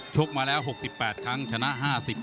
กมาแล้ว๖๘ครั้งชนะ๕๐